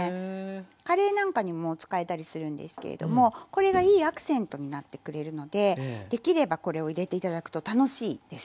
カレーなんかにも使えたりするんですけれどもこれがいいアクセントになってくれるのでできればこれを入れて頂くと楽しいです。